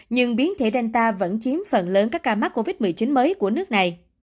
nhưng biến thể delta vẫn chiếm phần lớn các ca mắc covid một mươi chín mới